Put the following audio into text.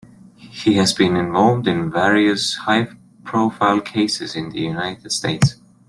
He has been involved in various high-profile cases in the United States.